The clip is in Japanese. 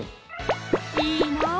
いいなぁ